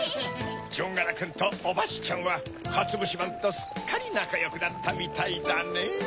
じょんがらくんとおバチちゃんはかつぶしまんとすっかりなかよくなったみたいだねぇ。